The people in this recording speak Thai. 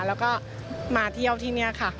แล้วก็มาเที่ยวที่นี่ค่ะ